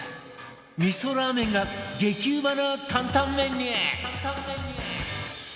みそラーメンが激うまな担々麺に！